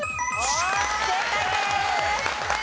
正解です。